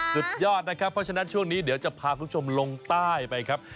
สุดยอดนะครับเพราะฉะนั้นช่วงนี้เดี๋ยวจะพาคุณผู้ชมลงใต้ไปครับ